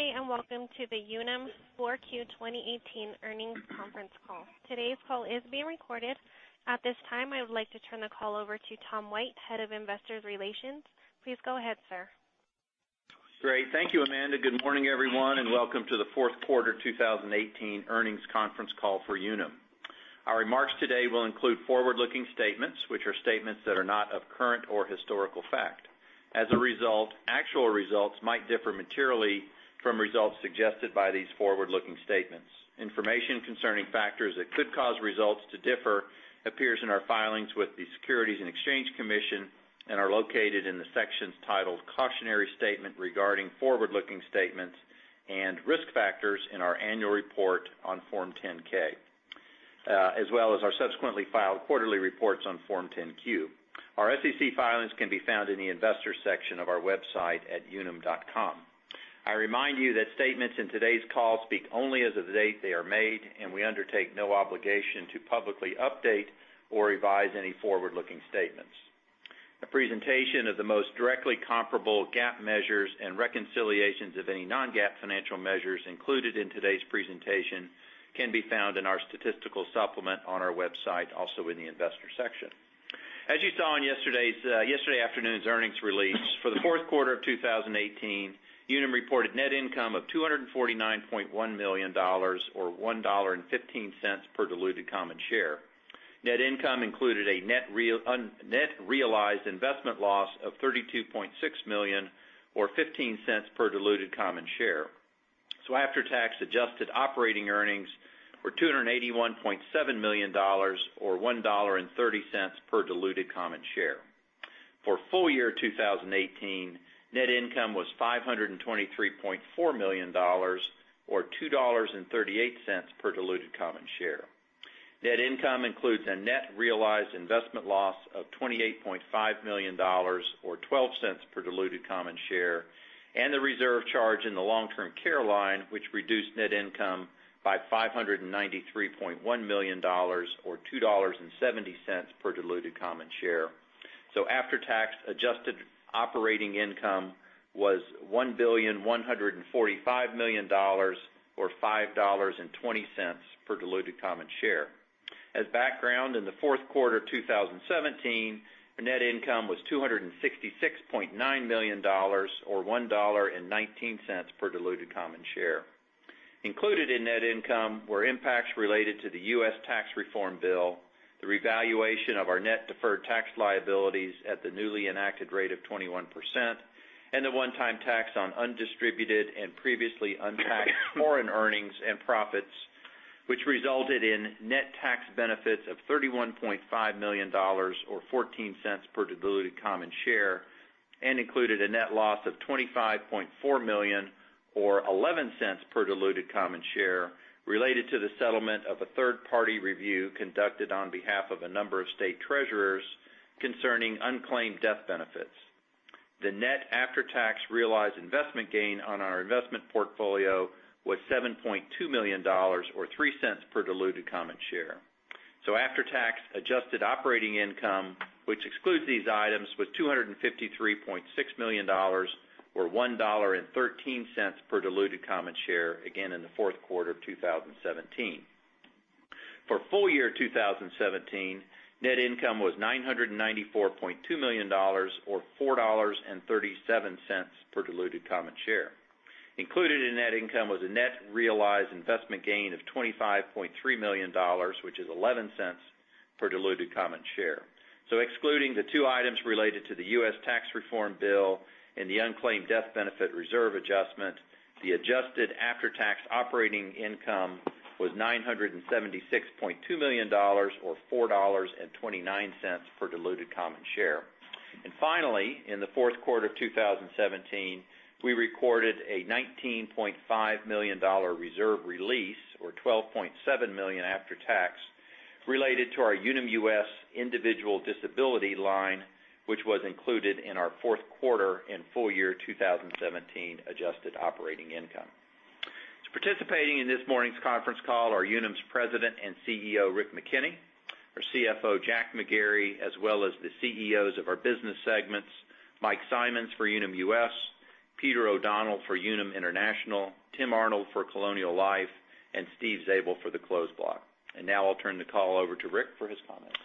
Good day, and welcome to the Unum 4Q 2018 Earnings Conference Call. Today's call is being recorded. At this time, I would like to turn the call over to Tom White, head of Investor Relations. Please go ahead, sir. Great. Thank you, Amanda. Good morning, everyone, and welcome to the fourth quarter 2018 earnings conference call for Unum. Our remarks today will include forward-looking statements, which are statements that are not of current or historical fact. As a result, actual results might differ materially from results suggested by these forward-looking statements. Information concerning factors that could cause results to differ appears in our filings with the Securities and Exchange Commission and are located in the sections titled Cautionary Statement Regarding Forward-Looking Statements and Risk Factors in our annual report on Form 10-K, as well as our subsequently filed quarterly reports on Form 10-Q. Our SEC filings can be found in the Investors section of our website at unum.com. I remind you that statements in today's call speak only as of the date they are made, and we undertake no obligation to publicly update or revise any forward-looking statements. A presentation of the most directly comparable GAAP measures and reconciliations of any non-GAAP financial measures included in today's presentation can be found in our statistical supplement on our website, also in the Investors section. As you saw in yesterday afternoon's earnings release, for the fourth quarter of 2018, Unum reported net income of $249.1 million, or $1.15 per diluted common share. Net income included a net realized investment loss of $32.6 million, or $0.15 per diluted common share. After-tax adjusted operating earnings were $281.7 million, or $1.30 per diluted common share. For full year 2018, net income was $523.4 million, or $2.38 per diluted common share. Net income includes a net realized investment loss of $28.5 million, or $0.12 per diluted common share, and the reserve charge in the long-term care line, which reduced net income by $593.1 million, or $2.70 per diluted common share. After-tax adjusted operating income was $1,145,000,000, or $5.20 per diluted common share. As background, in the fourth quarter 2017, net income was $266.9 million, or $1.19 per diluted common share. Included in net income were impacts related to the U.S. tax reform bill, the revaluation of our net deferred tax liabilities at the newly enacted rate of 21%, and the one-time tax on undistributed and previously untaxed foreign earnings and profits, which resulted in net tax benefits of $31.5 million, or $0.14 per diluted common share, and included a net loss of $25.4 million, or $0.11 per diluted common share related to the settlement of a third-party review conducted on behalf of a number of state treasurers concerning unclaimed death benefits. The net after-tax realized investment gain on our investment portfolio was $7.2 million, or $0.03 per diluted common share. After-tax adjusted operating income, which excludes these items, was $253.6 million, or $1.13 per diluted common share, again, in the fourth quarter of 2017. For full year 2017, net income was $994.2 million, or $4.37 per diluted common share. Included in net income was a net realized investment gain of $25.3 million, which is $0.11 per diluted common share. Excluding the two items related to the U.S. tax reform bill and the unclaimed death benefit reserve adjustment, the adjusted after-tax operating income was $976.2 million, or $4.29 per diluted common share. Finally, in the fourth quarter of 2017, we recorded a $19.5 million reserve release, or $12.7 million after tax, related to our Unum US individual disability line, which was included in our fourth quarter and full year 2017 adjusted operating income. Participating in this morning's conference call are Unum's President and CEO, Rick McKenney, our CFO, Jack McGarry, as well as the CEOs of our business segments, Mike Simonds for Unum US, Peter O'Donnell for Unum International, Tim Arnold for Colonial Life, and Steve Zabel for the Closed Block. Now I'll turn the call over to Rick for his comments.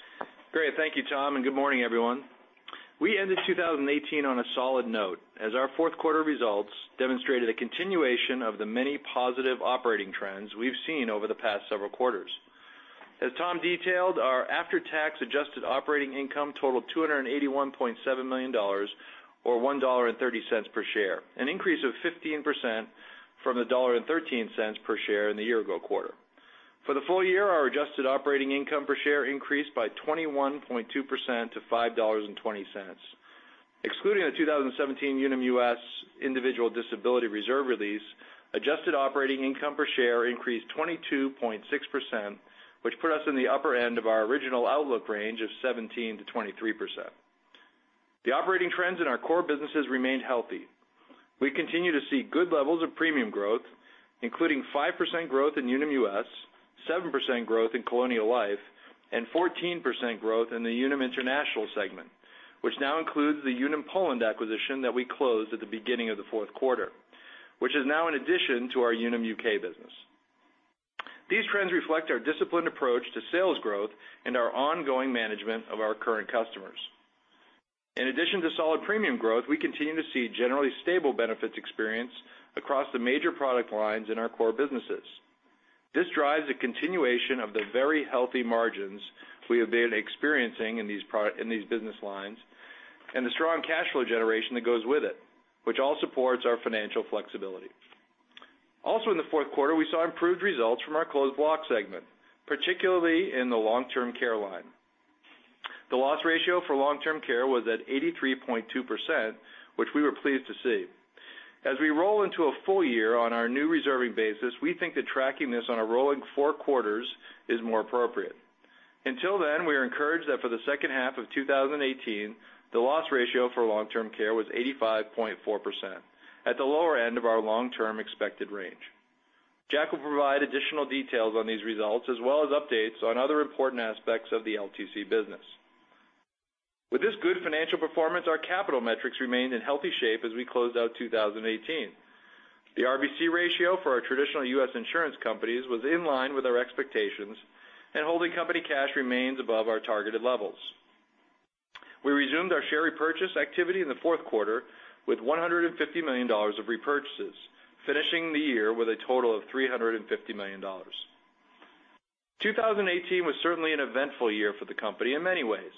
Great, thank you, Tom. Good morning, everyone. We ended 2018 on a solid note as our fourth quarter results demonstrated a continuation of the many positive operating trends we've seen over the past several quarters. As Tom detailed, our after-tax adjusted operating income totaled $281.7 million, or $1.30 per share, an increase of 15% from the $1.13 per share in the year-ago quarter. For the full year, our adjusted operating income per share increased by 21.2% to $5.20. Excluding the 2017 Unum US individual disability reserve release, adjusted operating income per share increased 22.6%, which put us in the upper end of our original outlook range of 17%-23%. The operating trends in our core businesses remained healthy. We continue to see good levels of premium growth including 5% growth in Unum US, 7% growth in Colonial Life, and 14% growth in the Unum International segment, which now includes the Unum Poland acquisition that we closed at the beginning of the fourth quarter, which is now an addition to our Unum UK business. These trends reflect our disciplined approach to sales growth and our ongoing management of our current customers. In addition to solid premium growth, we continue to see generally stable benefits experience across the major product lines in our core businesses. This drives a continuation of the very healthy margins we have been experiencing in these business lines, and the strong cash flow generation that goes with it, which all supports our financial flexibility. Also in the fourth quarter, we saw improved results from our closed block segment, particularly in the long-term care line. The loss ratio for long-term care was at 83.2%, which we were pleased to see. As we roll into a full year on our new reserving basis, we think that tracking this on a rolling four quarters is more appropriate. Until then, we are encouraged that for the second half of 2018, the loss ratio for long-term care was 85.4%, at the lower end of our long-term expected range. Jack will provide additional details on these results, as well as updates on other important aspects of the LTC business. With this good financial performance, our capital metrics remained in healthy shape as we closed out 2018. The RBC ratio for our traditional U.S. insurance companies was in line with our expectations, and holding company cash remains above our targeted levels. We resumed our share repurchase activity in the fourth quarter with $150 million of repurchases, finishing the year with a total of $350 million. 2018 was certainly an eventful year for the company in many ways.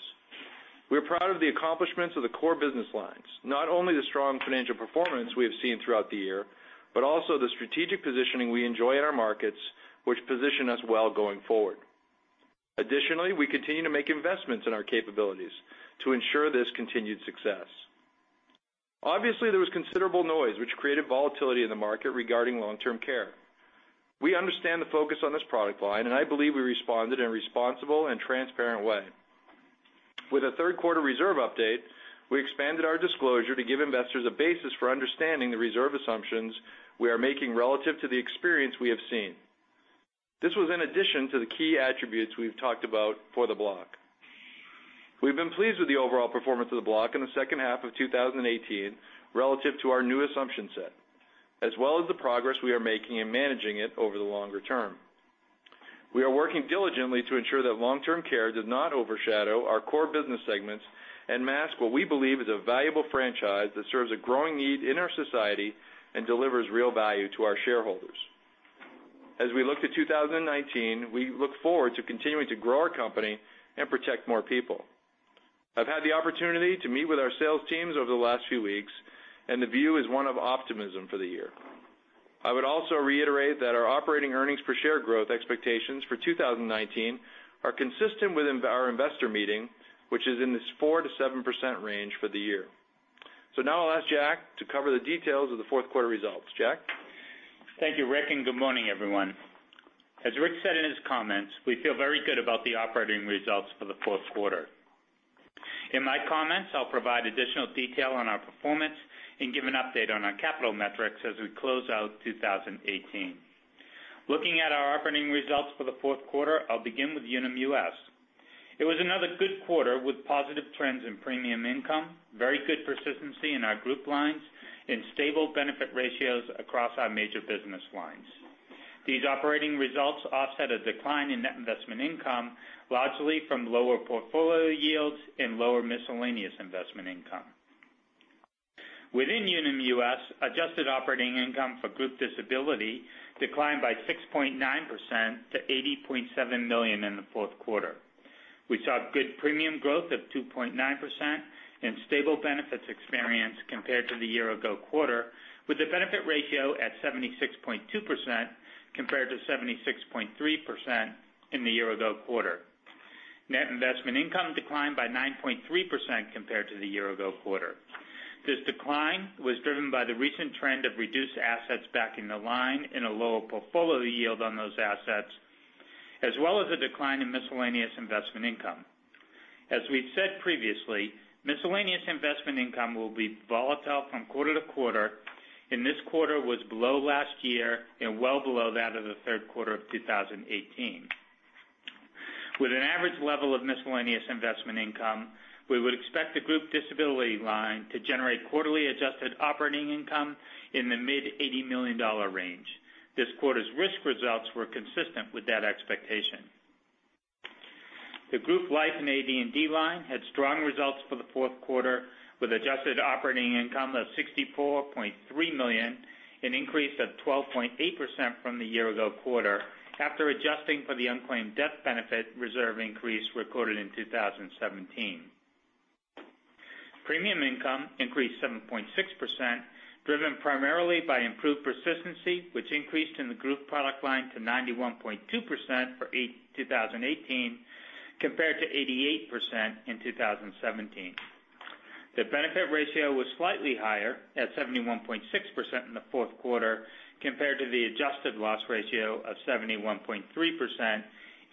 We're proud of the accomplishments of the core business lines, not only the strong financial performance we have seen throughout the year, but also the strategic positioning we enjoy in our markets, which position us well going forward. Additionally, we continue to make investments in our capabilities to ensure this continued success. Obviously, there was considerable noise which created volatility in the market regarding long-term care. We understand the focus on this product line, I believe we responded in a responsible and transparent way. With a third quarter reserve update, we expanded our disclosure to give investors a basis for understanding the reserve assumptions we are making relative to the experience we have seen. This was in addition to the key attributes we've talked about for the block. We've been pleased with the overall performance of the block in the second half of 2018 relative to our new assumption set, as well as the progress we are making in managing it over the longer term. We are working diligently to ensure that long-term care does not overshadow our core business segments and mask what we believe is a valuable franchise that serves a growing need in our society and delivers real value to our shareholders. As we look to 2019, we look forward to continuing to grow our company and protect more people. I've had the opportunity to meet with our sales teams over the last few weeks, and the view is one of optimism for the year. I would also reiterate that our operating earnings per share growth expectations for 2019 are consistent with our investor meeting, which is in this 4%-7% range for the year. Now I'll ask Jack to cover the details of the fourth quarter results. Jack? Thank you, Rick, and good morning, everyone. As Rick said in his comments, we feel very good about the operating results for the fourth quarter. In my comments, I'll provide additional detail on our performance and give an update on our capital metrics as we close out 2018. Looking at our operating results for the fourth quarter, I'll begin with Unum US. It was another good quarter with positive trends in premium income, very good persistency in our group lines, and stable benefit ratios across our major business lines. These operating results offset a decline in net investment income, largely from lower portfolio yields and lower miscellaneous investment income. Within Unum US, adjusted operating income for group disability declined by 6.9% to $80.7 million in the fourth quarter. We saw good premium growth of 2.9% and stable benefits experience compared to the year ago quarter, with the benefit ratio at 76.2% compared to 76.3% in the year ago quarter. Net investment income declined by 9.3% compared to the year ago quarter. This decline was driven by the recent trend of reduced assets backing the line and a lower portfolio yield on those assets, as well as a decline in miscellaneous investment income. As we've said previously, miscellaneous investment income will be volatile from quarter to quarter, and this quarter was below last year and well below that of the third quarter of 2018. With an average level of miscellaneous investment income, we would expect the group disability line to generate quarterly adjusted operating income in the mid $80 million range. This quarter's risk results were consistent with that expectation. The group life and AD&D line had strong results for the fourth quarter, with adjusted operating income of $64.3 million, an increase of 12.8% from the year ago quarter after adjusting for the unclaimed death benefit reserve increase recorded in 2017. Premium income increased 7.6%, driven primarily by improved persistency, which increased in the group product line to 91.2% for 2018, compared to 88% in 2017. The benefit ratio was slightly higher at 71.6% in the fourth quarter, compared to the adjusted loss ratio of 71.3%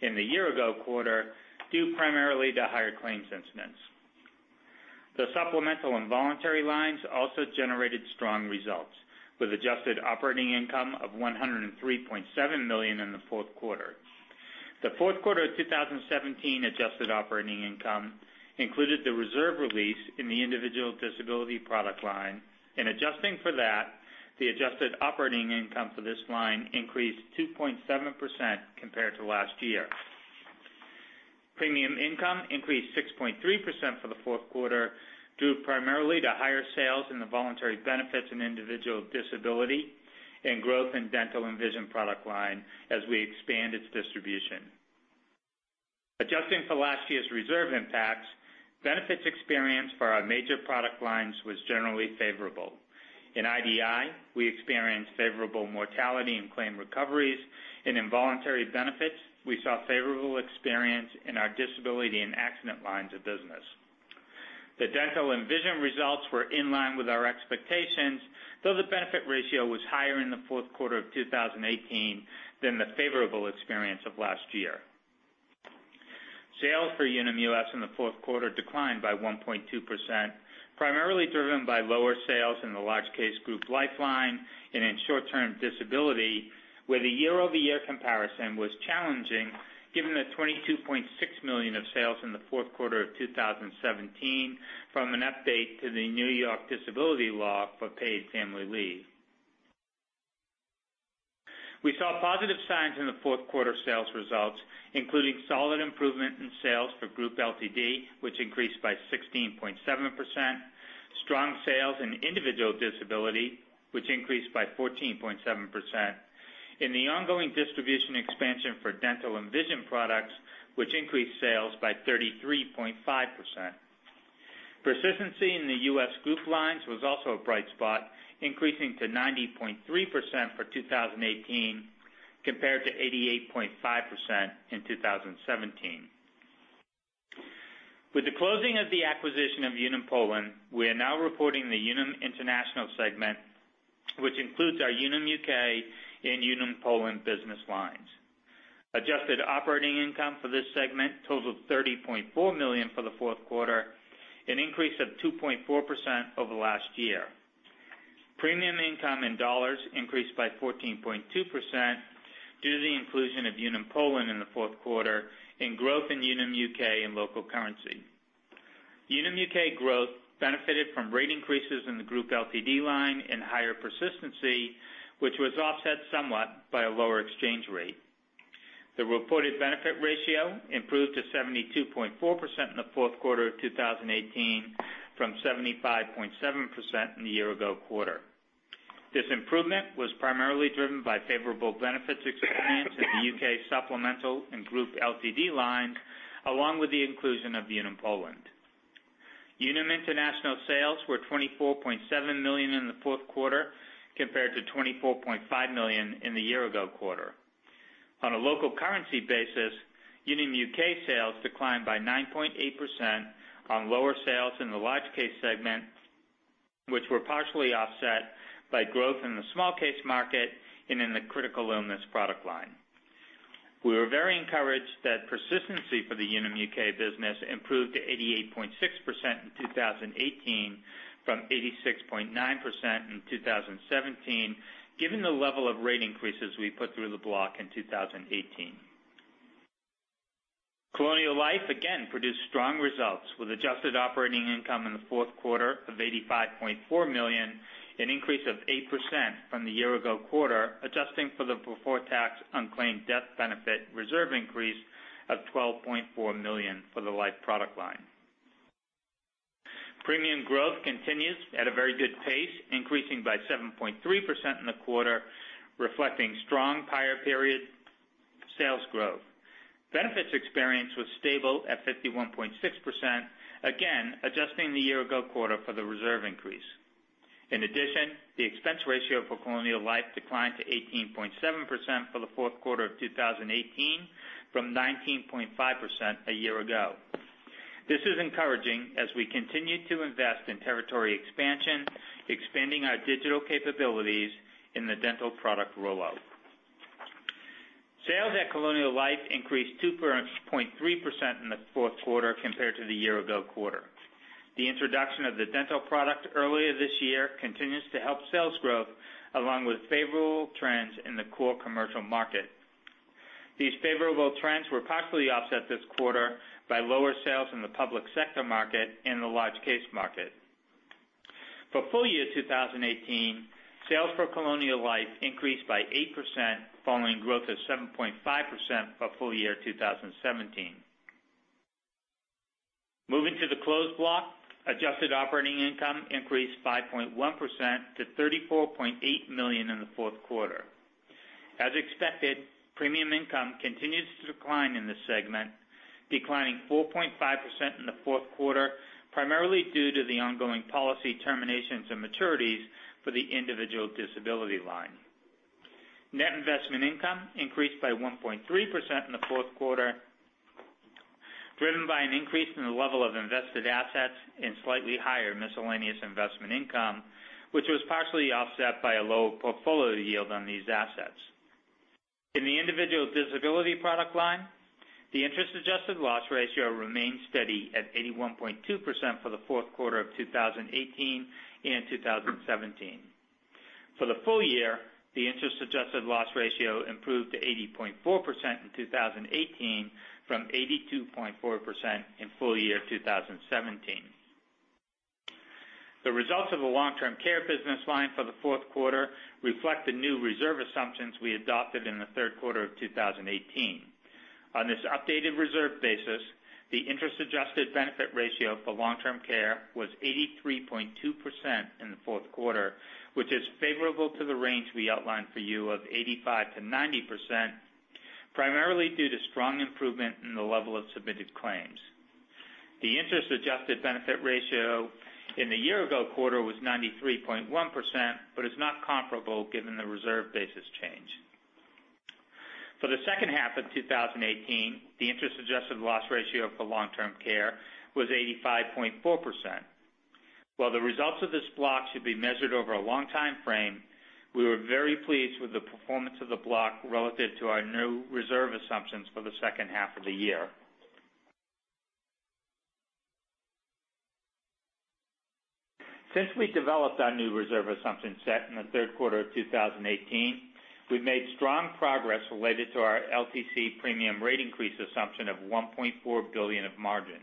in the year ago quarter, due primarily to higher claims incidents. The supplemental and voluntary lines also generated strong results, with adjusted operating income of $103.7 million in the fourth quarter. The fourth quarter of 2017 adjusted operating income included the reserve release in the individual disability product line. In adjusting for that, the adjusted operating income for this line increased 2.7% compared to last year. Premium income increased 6.3% for the fourth quarter, due primarily to higher sales in the voluntary benefits and individual disability, and growth in dental and vision product line as we expand its distribution. Adjusting for last year's reserve impacts, benefits experience for our major product lines was generally favorable. In IDI, we experienced favorable mortality and claim recoveries, and in voluntary benefits, we saw favorable experience in our disability and accident lines of business. The dental and vision results were in line with our expectations, though the benefit ratio was higher in the fourth quarter of 2018 than the favorable experience of last year. Sales for Unum US in the fourth quarter declined by 1.2%, primarily driven by lower sales in the large case group life line and in short-term disability, where the year-over-year comparison was challenging, given the $22.6 million of sales in the fourth quarter of 2017 from an update to the New York disability law for Paid Family Leave. We saw positive signs in the fourth quarter sales results, including solid improvement in sales for group LTD, which increased by 16.7%, strong sales in individual disability, which increased by 14.7%, and the ongoing distribution expansion for dental and vision products, which increased sales by 33.5%. Persistency in the U.S. group lines was also a bright spot, increasing to 90.3% for 2018, compared to 88.5% in 2017. With the closing of the acquisition of Unum Poland, we are now reporting the Unum International segment, which includes our Unum UK and Unum Poland business lines. Adjusted operating income for this segment totaled $30.4 million for the fourth quarter, an increase of 2.4% over last year. Premium income in dollars increased by 14.2% due to the inclusion of Unum Poland in the fourth quarter in growth in Unum UK and local currency. Unum UK growth benefited from rate increases in the group LTD line and higher persistency, which was offset somewhat by a lower exchange rate. The reported benefit ratio improved to 72.4% in the fourth quarter of 2018 from 75.7% in the year ago quarter. This improvement was primarily driven by favorable benefits experience in the U.K. supplemental and group LTD lines, along with the inclusion of Unum Poland. Unum International sales were $24.7 million in the fourth quarter, compared to $24.5 million in the year ago quarter. On a local currency basis, Unum UK sales declined by 9.8% on lower sales in the large case segment, which were partially offset by growth in the small case market and in the critical illness product line. We were very encouraged that persistency for the Unum UK business improved to 88.6% in 2018 from 86.9% in 2017, given the level of rate increases we put through the block in 2018. Colonial Life again produced strong results with adjusted operating income in the fourth quarter of $85.4 million, an increase of 8% from the year ago quarter, adjusting for the before tax unclaimed death benefit reserve increase of $12.4 million for the life product line. Premium growth continues at a very good pace, increasing by 7.3% in the quarter, reflecting strong prior period sales growth. Benefits experience was stable at 51.6%, again, adjusting the year ago quarter for the reserve increase. In addition, the expense ratio for Colonial Life declined to 18.7% for the fourth quarter of 2018 from 19.5% a year ago. This is encouraging as we continue to invest in territory expansion, expanding our digital capabilities in the dental product rollout. Sales at Colonial Life increased 2.3% in the fourth quarter compared to the year ago quarter. The introduction of the dental product earlier this year continues to help sales growth along with favorable trends in the core commercial market. These favorable trends were partially offset this quarter by lower sales in the public sector market and the large case market. For full year 2018, sales for Colonial Life increased by 8%, following growth of 7.5% for full year 2017. Moving to the closed block, adjusted operating income increased 5.1% to $34.8 million in the fourth quarter. As expected, premium income continues to decline in this segment, declining 4.5% in the fourth quarter, primarily due to the ongoing policy terminations and maturities for the individual disability line. Net investment income increased by 1.3% in the fourth quarter, driven by an increase in the level of invested assets and slightly higher miscellaneous investment income, which was partially offset by a low portfolio yield on these assets. In the individual disability product line, the interest-adjusted loss ratio remained steady at 81.2% for the fourth quarter of 2018 and 2017. For the full year, the interest-adjusted loss ratio improved to 80.4% in 2018 from 82.4% in full year 2017. The results of the long-term care business line for the fourth quarter reflect the new reserve assumptions we adopted in the third quarter of 2018. On this updated reserve basis, the interest-adjusted benefit ratio for long-term care was 83.2% in the fourth quarter, which is favorable to the range we outlined for you of 85%-90%, primarily due to strong improvement in the level of submitted claims. The interest-adjusted benefit ratio in the year-ago quarter was 93.1% but is not comparable given the reserve basis change. For the second half of 2018, the interest-adjusted loss ratio for long-term care was 85.4%. While the results of this block should be measured over a long timeframe, we were very pleased with the performance of the block relative to our new reserve assumptions for the second half of the year. Since we developed our new reserve assumption set in the third quarter of 2018, we've made strong progress related to our LTC premium rate increase assumption of $1.4 billion of margin.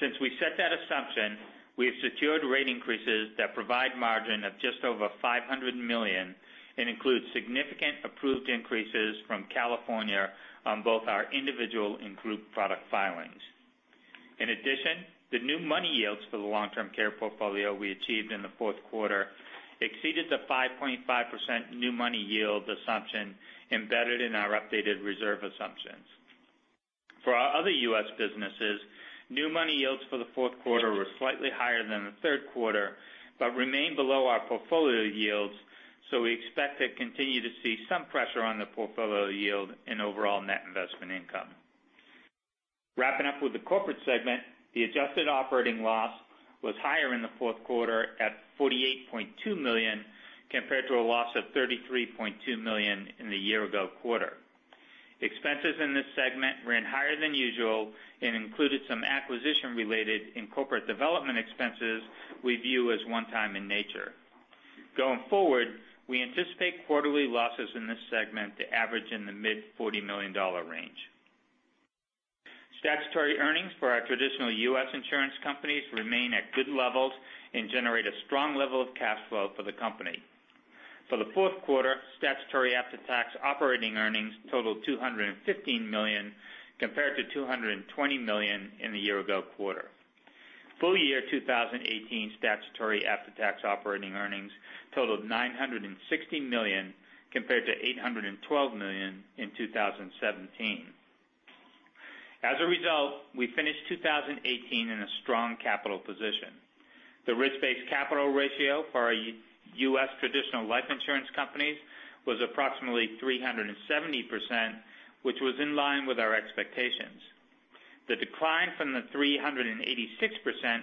Since we set that assumption, we have secured rate increases that provide a margin of just over $500 million and includes significant approved increases from California on both our individual and group product filings. In addition, the new money yields for the long-term care portfolio we achieved in the fourth quarter exceeded the 5.5% new money yield assumption embedded in our updated reserve assumptions. For our other U.S. businesses, new money yields for the fourth quarter were slightly higher than the third quarter, but remain below our portfolio yields, so we expect to continue to see some pressure on the portfolio yield and overall net investment income. Wrapping up with the corporate segment, the adjusted operating loss was higher in the fourth quarter at $48.2 million, compared to a loss of $33.2 million in the year-ago quarter. Expenses in this segment ran higher than usual and included some acquisition-related and corporate development expenses we view as one-time in nature. Going forward, we anticipate quarterly losses in this segment to average in the mid $40 million range. Statutory earnings for our traditional U.S. insurance companies remain at good levels and generate a strong level of cash flow for the company. For the fourth quarter, statutory after-tax operating earnings totaled $215 million compared to $220 million in the year-ago quarter. Full year 2018 statutory after-tax operating earnings totaled $960 million compared to $812 million in 2017. As a result, we finished 2018 in a strong capital position. The risk-based capital ratio for our U.S. traditional life insurance companies was approximately 370%, which was in line with our expectations. The decline from the 386%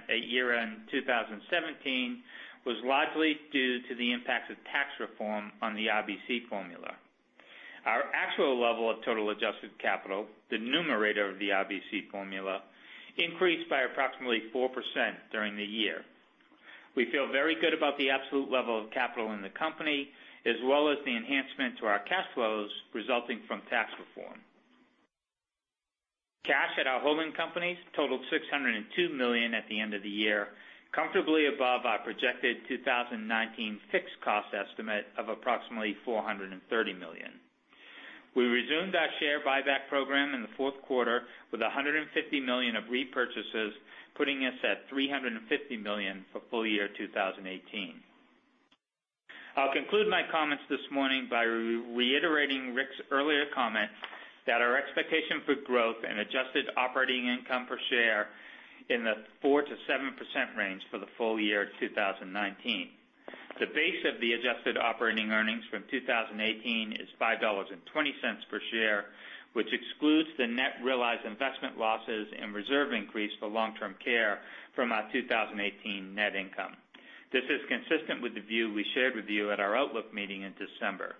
at year-end 2017 was largely due to the impact of tax reform on the RBC formula. Our actual level of total adjusted capital, the numerator of the RBC formula, increased by approximately 4% during the year. We feel very good about the absolute level of capital in the company, as well as the enhancement to our cash flows resulting from tax reform. Cash at our holding companies totaled $602 million at the end of the year, comfortably above our projected 2019 fixed cost estimate of approximately $430 million. We resumed our share buyback program in the fourth quarter with $150 million of repurchases, putting us at $350 million for full year 2018. I'll conclude my comments this morning by reiterating Rick's earlier comment that our expectation for growth and adjusted operating income per share in the 4%-7% range for the full year 2019. The base of the adjusted operating earnings from 2018 is $5.20 per share, which excludes the net realized investment losses and reserve increase for long-term care from our 2018 net income. This is consistent with the view we shared with you at our outlook meeting in December.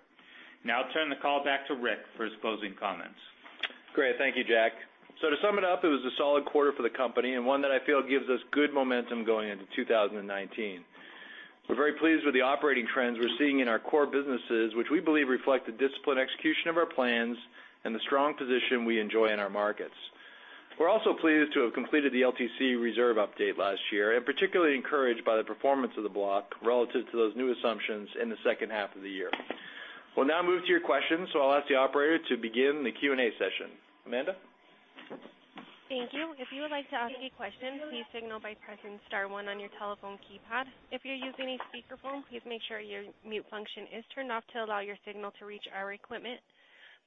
Now I'll turn the call back to Rick for his closing comments. Great. Thank you, Jack. To sum it up, it was a solid quarter for the company, and one that I feel gives us good momentum going into 2019. We're very pleased with the operating trends we're seeing in our core businesses, which we believe reflect the disciplined execution of our plans and the strong position we enjoy in our markets. We're also pleased to have completed the LTC reserve update last year, and particularly encouraged by the performance of the block relative to those new assumptions in the second half of the year. We'll now move to your questions, so I'll ask the operator to begin the Q&A session. Amanda? Thank you. If you would like to ask a question, please signal by pressing *1 on your telephone keypad. If you're using a speakerphone, please make sure your mute function is turned off to allow your signal to reach our equipment.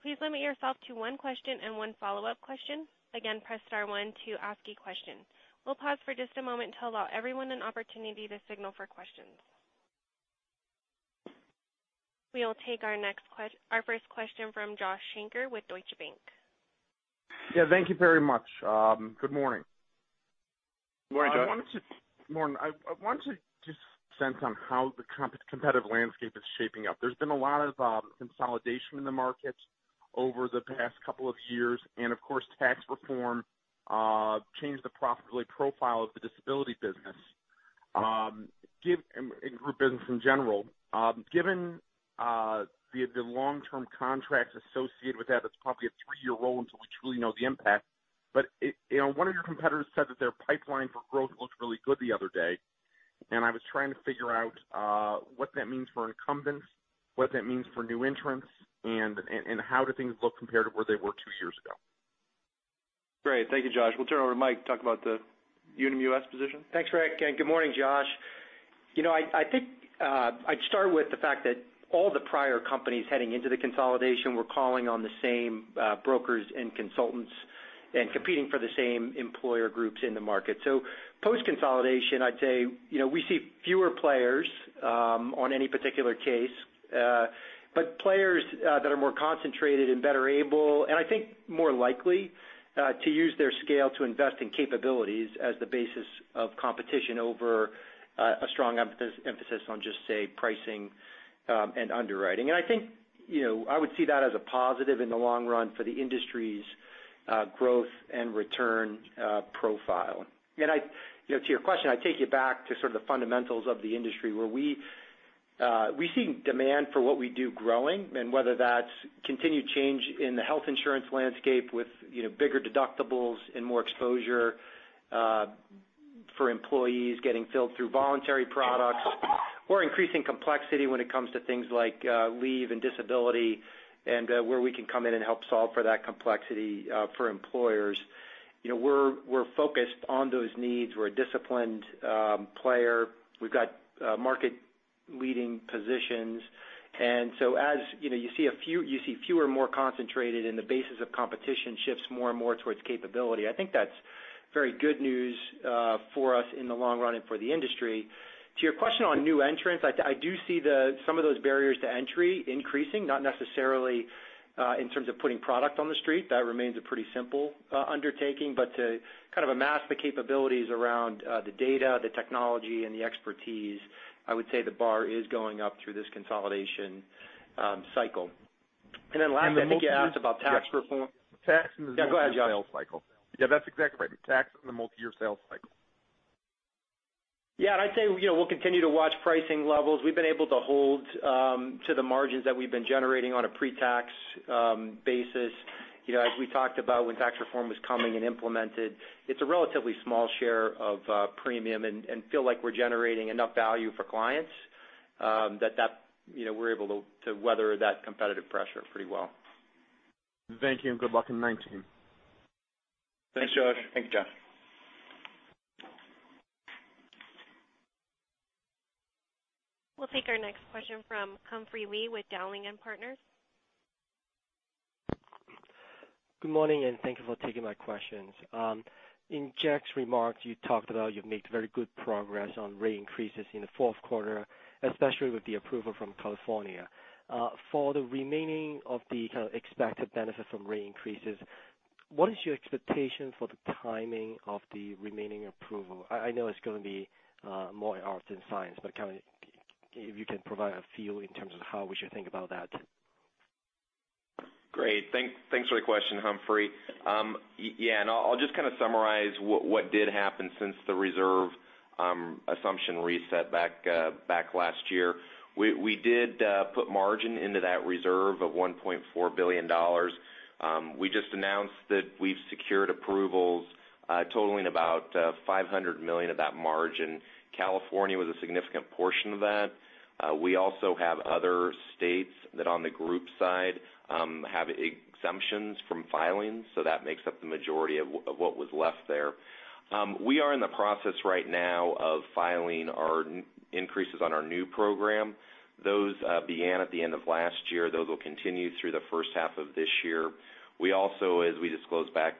Please limit yourself to one question and one follow-up question. Again, press *1 to ask a question. We'll pause for just a moment to allow everyone an opportunity to signal for questions. We will take our first question from Josh Shanker with Deutsche Bank. Yeah, thank you very much. Good morning. Go ahead, Josh. Morning. I wanted to just sense on how the competitive landscape is shaping up. There's been a lot of consolidation in the market over the past couple of years, and of course, tax reform changed the profitability profile of the disability business, and group business in general. Given the long-term contracts associated with that's probably a three-year roll until we truly know the impact. One of your competitors said that their pipeline for growth looked really good the other day, and I was trying to figure out what that means for incumbents, what that means for new entrants, and how do things look compared to where they were two years ago. Great. Thank you, Josh. We'll turn it over to Mike to talk about the Unum US position. Thanks, Rick, and good morning, Josh. I think I'd start with the fact that all the prior companies heading into the consolidation were calling on the same brokers and consultants and competing for the same employer groups in the market. Post-consolidation, I'd say, we see fewer players on any particular case, but players that are more concentrated and better able, and I think more likely, to use their scale to invest in capabilities as the basis of competition over a strong emphasis on just, say, pricing and underwriting. I think I would see that as a positive in the long run for the industry's growth and return profile. To your question, I take you back to sort of the fundamentals of the industry, where we see demand for what we do growing, and whether that's continued change in the health insurance landscape with bigger deductibles and more exposure for employees getting filled through voluntary products, or increasing complexity when it comes to things like leave and disability, and where we can come in and help solve for that complexity for employers. We're focused on those needs. We're a disciplined player. We've got market-leading positions. As you see fewer, more concentrated, and the basis of competition shifts more and more towards capability, I think that's very good news for us in the long run and for the industry. To your question on new entrants, I do see some of those barriers to entry increasing, not necessarily in terms of putting product on the street. That remains a pretty simple undertaking. To kind of amass the capabilities around the data, the technology, and the expertise, I would say the bar is going up through this consolidation cycle. Lastly, I think you asked about tax reform. Tax and the multi-year sales cycle. Yeah, go ahead, Josh. Yeah, that's exactly right. Tax and the multi-year sales cycle. I'd say we'll continue to watch pricing levels. We've been able to hold to the margins that we've been generating on a pre-tax basis. As we talked about when tax reform was coming and implemented, it's a relatively small share of premium, and feel like we're generating enough value for clients that we're able to weather that competitive pressure pretty well. Thank you, good luck in 2019. Thanks, Josh. Thanks, Josh. We'll take our next question from Humphrey Lee with Dowling & Partners. Good morning. Thank you for taking my questions. In Jack's remarks, you talked about you've made very good progress on rate increases in the fourth quarter, especially with the approval from California. For the remaining of the kind of expected benefit from rate increases, what is your expectation for the timing of the remaining approval? I know it's going to be more art than science, but if you can provide a feel in terms of how we should think about that. Great. Thanks for the question, Humphrey. I'll just kind of summarize what did happen since the reserve assumption reset back last year. We did put margin into that reserve of $1.4 billion. We just announced that we've secured approvals totaling about $500 million of that margin. California was a significant portion of that. We also have other states that on the group side have exemptions from filings, so that makes up the majority of what was left there. We are in the process right now of filing our increases on our new program. Those began at the end of last year. Those will continue through the first half of this year. We also, as we disclosed back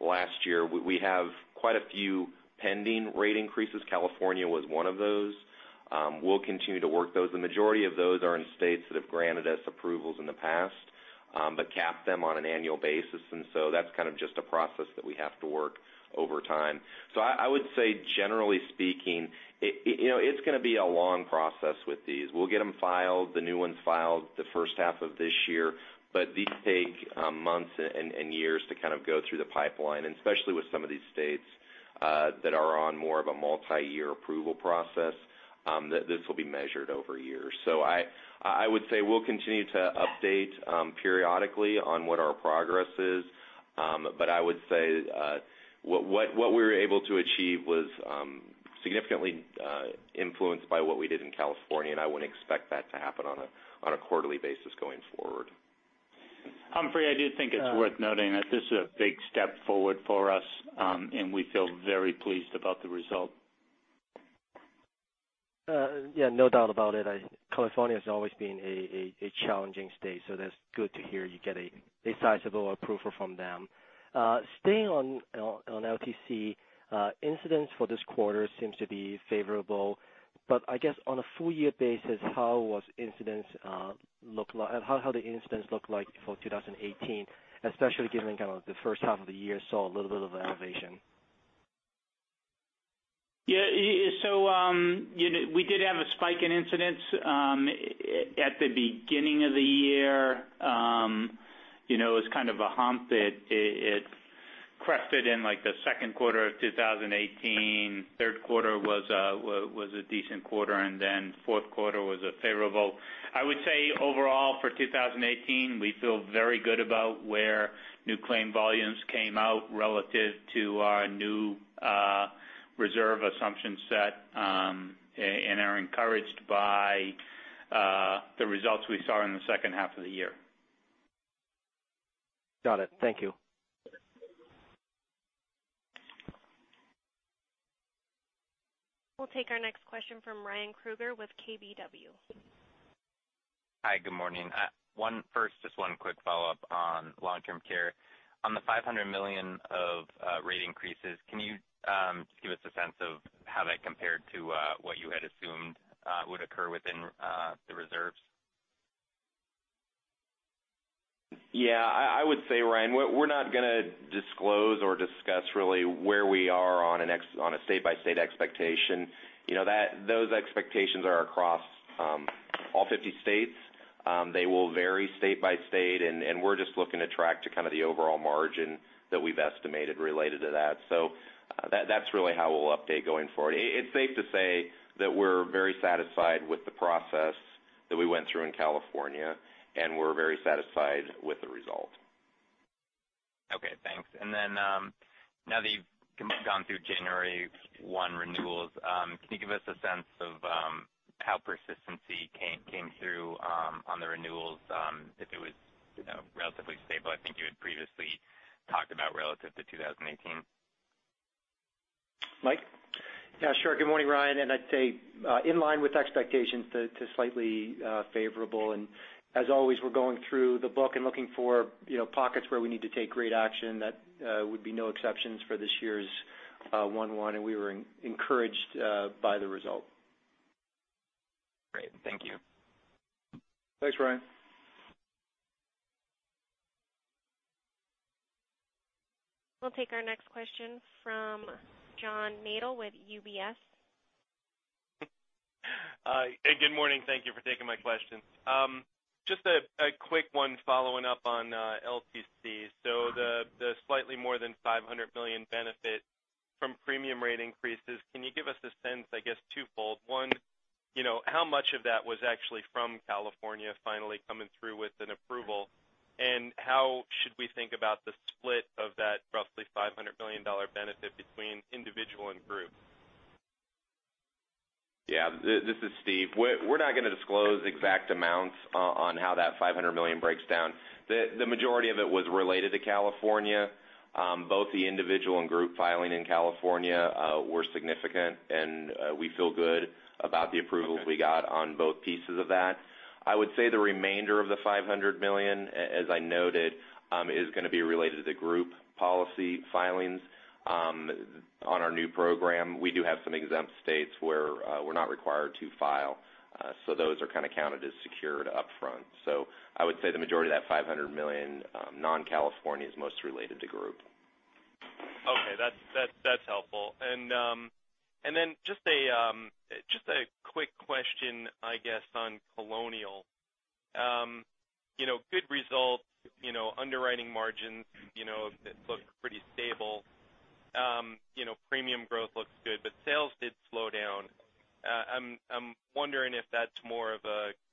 last year, we have quite a few pending rate increases. California was one of those. We'll continue to work those. The majority of those are in states that have granted us approvals in the past but capped them on an annual basis. That's kind of just a process that we have to work over time. I would say, generally speaking, it's going to be a long process with these. We'll get them filed, the new ones filed the first half of this year, but these take months and years to kind of go through the pipeline, and especially with some of these states that are on more of a multi-year approval process, this will be measured over years. I would say we'll continue to update periodically on what our progress is, but I would say what we were able to achieve was significantly influenced by what we did in California, and I wouldn't expect that to happen on a quarterly basis going forward. Humphrey, I do think it's worth noting that this is a big step forward for us, and we feel very pleased about the result. No doubt about it. California's always been a challenging state, so that's good to hear you get a sizable approval from them. Staying on LTC, incidents for this quarter seems to be favorable. I guess on a full year basis, how the incidents look like for 2018, especially given the first half of the year saw a little bit of elevation. Yeah. We did have a spike in incidents at the beginning of the year. It was kind of a hump. It crested in the second quarter of 2018. Third quarter was a decent quarter, then fourth quarter was favorable. I would say overall for 2018, we feel very good about where new claim volumes came out relative to our new reserve assumption set, and are encouraged by the results we saw in the second half of the year. Got it. Thank you. We'll take our next question from Ryan Krueger with KBW. Hi. Good morning. First, just one quick follow-up on long-term care. On the $500 million of rate increases, can you just give us a sense of how that compared to what you had assumed would occur within the reserves? I would say, Ryan Krueger, we're not going to disclose or discuss really where we are on a state-by-state expectation. Those expectations are across all 50 states. They will vary state by state, and we're just looking to track to kind of the overall margin that we've estimated related to that. That's really how we'll update going forward. It's safe to say that we're very satisfied with the process that we went through in California, and we're very satisfied with the result. Okay, thanks. Now that you've gone through January 1 renewals, can you give us a sense of how persistency came through on the renewals, if it was relatively stable, I think you had previously talked about relative to 2018? Mike? Yeah, sure. Good morning, Ryan Krueger. I'd say, in line with expectations to slightly favorable. As always, we're going through the book and looking for pockets where we need to take rate action. That would be no exceptions for this year's one-one, and we were encouraged by the result. Great. Thank you. Thanks, Ryan. We'll take our next question from John Nadel with UBS. Hi. Good morning. Thank you for taking my questions. Just a quick one following up on LTC. The slightly more than $500 million benefit from premium rate increases, can you give us a sense, I guess, twofold? One, how much of that was actually from California finally coming through with an approval? And how should we think about the split of that roughly $500 million benefit between individual and group? Yeah. This is Steve. We're not going to disclose exact amounts on how that $500 million breaks down. The majority of it was related to California. Both the individual and group filing in California were significant, and we feel good about the approvals we got on both pieces of that. I would say the remainder of the $500 million, as I noted, is going to be related to group policy filings on our new program. We do have some exempt states where we're not required to file, those are kind of counted as secured upfront. I would say the majority of that $500 million, non-California is most related to group. That's helpful. Just a quick question, I guess, on Colonial. Good results, underwriting margins that look pretty stable. Premium growth looks good, but sales did slow down. I'm wondering if that's more of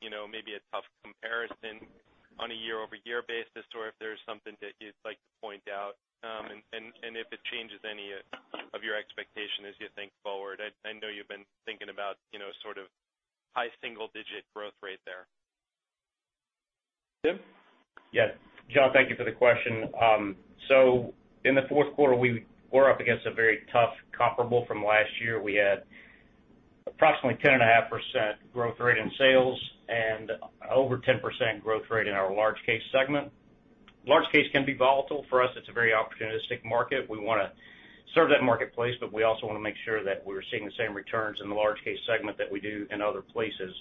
maybe a tough comparison on a year-over-year basis, or if there's something that you'd like to point out, and if it changes any of your expectation as you think forward. I know you've been thinking about sort of high single-digit growth rate there. Tim? Yes. John, thank you for the question. In the fourth quarter, we were up against a very tough comparable from last year. We had approximately 10.5% growth rate in sales and over 10% growth rate in our large case segment. Large case can be volatile for us. It's a very opportunistic market. We want to serve that marketplace, but we also want to make sure that we're seeing the same returns in the large case segment that we do in other places.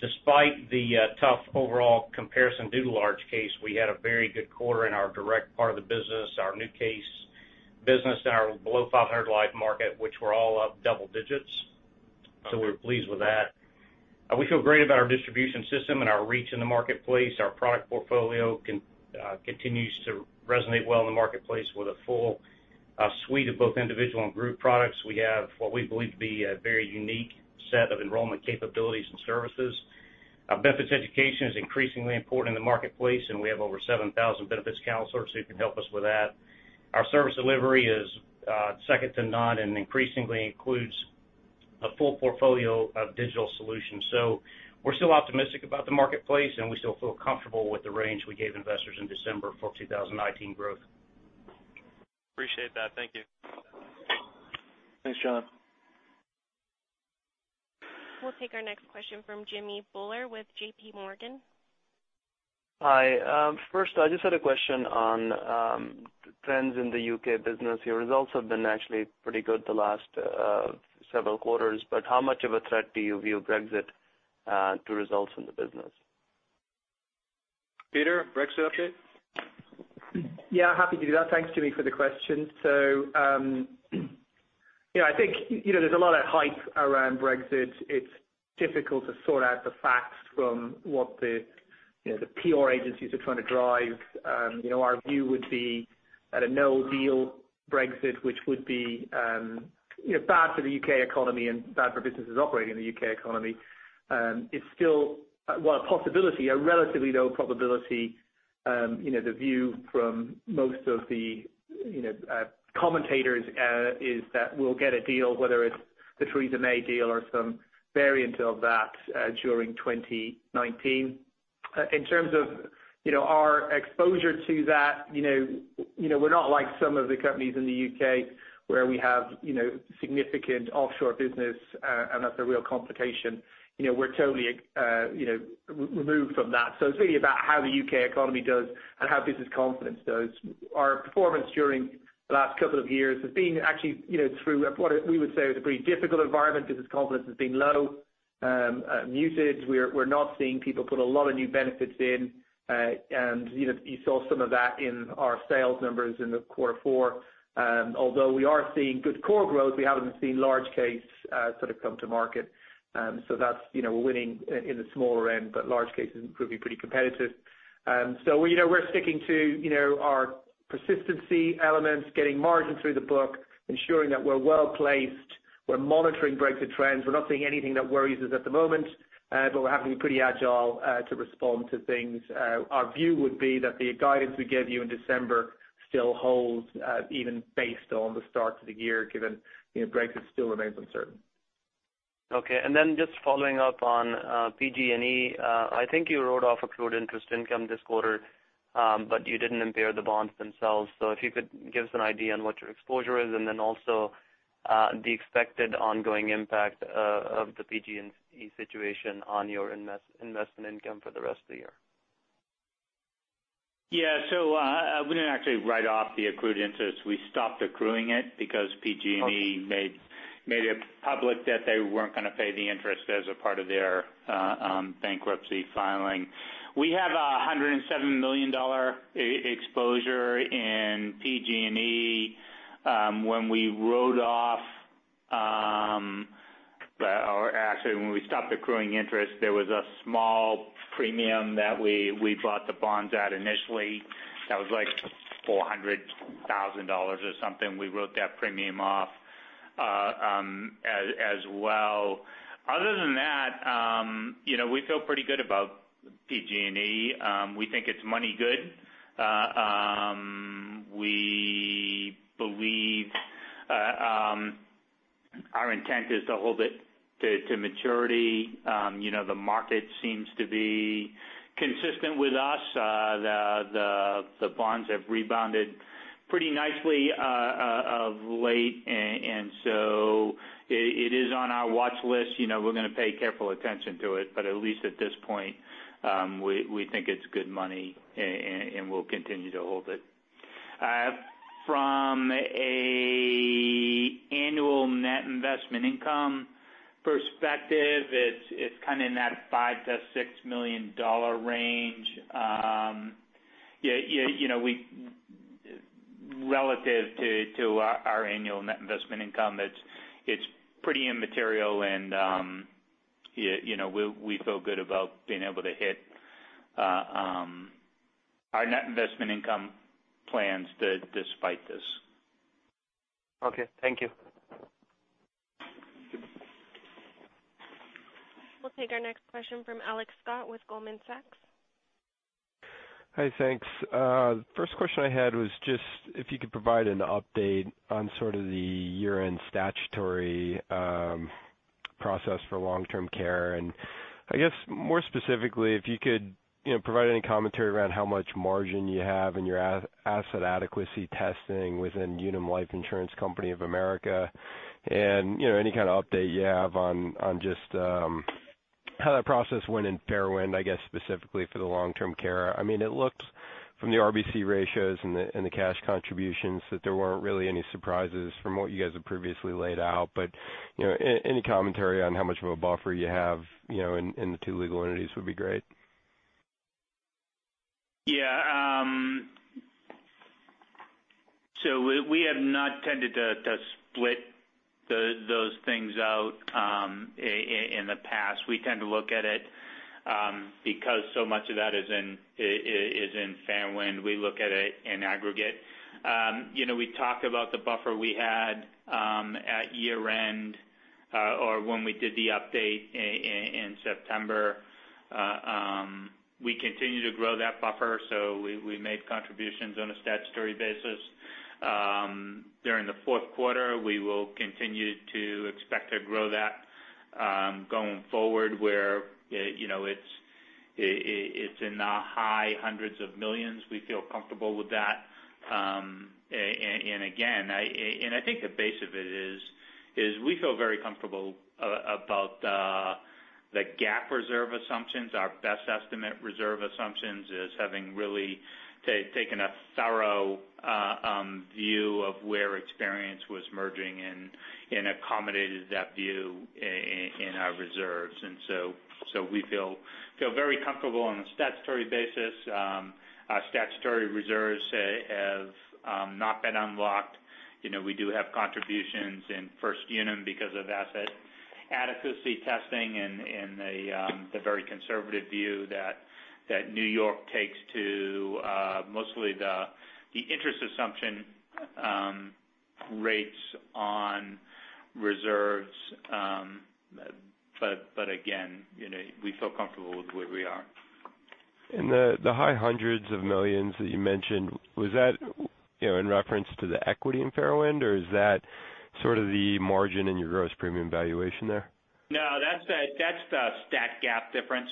Despite the tough overall comparison due to large case, we had a very good quarter in our direct part of the business, our new case business in our below 500 live market, which were all up double digits. We're pleased with that. We feel great about our distribution system and our reach in the marketplace. Our product portfolio continues to resonate well in the marketplace with a full suite of both individual and group products. We have what we believe to be a very unique set of enrollment capabilities and services. Benefits education is increasingly important in the marketplace, and we have over 7,000 benefits counselors who can help us with that. Our service delivery is second to none and increasingly includes a full portfolio of digital solutions. We're still optimistic about the marketplace, and we still feel comfortable with the range we gave investors in December for 2019 growth. Appreciate that. Thank you. Thanks, John. We'll take our next question from Jimmy Bhullar with J.P. Morgan. Hi. First, I just had a question on trends in the U.K. business. Your results have been actually pretty good the last several quarters, but how much of a threat do you view Brexit to results in the business? Peter, Brexit update? Happy to do that. Thanks, Jimmy, for the question. I think there's a lot of hype around Brexit. It's difficult to sort out the facts from what the PR agencies are trying to drive. Our view would be that a no-deal Brexit, which would be bad for the U.K. economy and bad for businesses operating in the U.K. economy. It's still, while a possibility, a relatively low probability. The view from most of the commentators is that we'll get a deal, whether it's the Theresa May deal or some variant of that during 2019. In terms of our exposure to that, we're not like some of the companies in the U.K. where we have significant offshore business, and that's a real complication. We're totally removed from that. It's really about how the U.K. economy does and how business confidence does. Our performance during the last couple of years has been actually through what we would say was a pretty difficult environment. Business confidence has been low, muted. We're not seeing people put a lot of new benefits in. You saw some of that in our sales numbers in the quarter four. Although we are seeing good core growth, we haven't seen large case sort of come to market. That's we're winning in the smaller end, but large cases proving pretty competitive. We're sticking to our persistency elements, getting margin through the book, ensuring that we're well-placed. We're monitoring Brexit trends. We're not seeing anything that worries us at the moment, but we're having to be pretty agile to respond to things. Our view would be that the guidance we gave you in December still holds, even based on the start to the year, given Brexit still remains uncertain. Just following up on PG&E, I think you wrote off accrued interest income this quarter, but you didn't impair the bonds themselves. If you could give us an idea on what your exposure is, and also the expected ongoing impact of the PG&E situation on your investment income for the rest of the year. We didn't actually write off the accrued interest. We stopped accruing it because PG&E made it public that they weren't going to pay the interest as a part of their bankruptcy filing. We have a $107 million exposure in PG&E. When we wrote off or actually, when we stopped accruing interest, there was a small premium that we bought the bonds at initially. That was like $400,000 or something. We wrote that premium off as well. Other than that we feel pretty good about PG&E. We think it's money good. We believe our intent is to hold it to maturity. The market seems to be consistent with us. The bonds have rebounded pretty nicely of late. It is on our watch list. We're going to pay careful attention to it, at least at this point, we think it's good money, and we'll continue to hold it. From an annual net investment income perspective, it's kind of in that $5 million to $6 million range. Relative to our annual net investment income, it's pretty immaterial, and we feel good about being able to hit our net investment income plans despite this. Okay. Thank you. We'll take our next question from Alex Scott with Goldman Sachs. Hi, thanks. First question I had was just if you could provide an update on sort of the year-end statutory process for long-term care, and I guess more specifically, if you could provide any commentary around how much margin you have in your asset adequacy testing within Unum Life Insurance Company of America and any kind of update you have on just how that process went in Fairwind, I guess specifically for the long-term care. It looks from the RBC ratios and the cash contributions that there weren't really any surprises from what you guys have previously laid out. Any commentary on how much of a buffer you have in the two legal entities would be great. Yeah. We have not tended to split those things out in the past. We tend to look at it because so much of that is in Fairwind. We look at it in aggregate. We talked about the buffer we had at year-end or when we did the update in September. We continue to grow that buffer, so we made contributions on a statutory basis during the fourth quarter. We will continue to expect to grow that going forward, where it's in the high $ hundreds of millions. We feel comfortable with that. Again, I think the base of it is, we feel very comfortable about the GAAP reserve assumptions. Our best estimate reserve assumptions is having really taken a thorough view of where experience was merging and accommodated that view in our reserves. We feel very comfortable on a statutory basis. Our statutory reserves have not been unlocked. We do have contributions in First Unum because of asset adequacy testing and the very conservative view that New York takes to mostly the interest assumption rates on reserves. Again, we feel comfortable with where we are. In the high $ hundreds of millions that you mentioned, was that in reference to the equity in Fairwind, or is that sort of the margin in your gross premium valuation there? No, that's the stat GAAP difference.